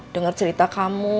denger cerita kamu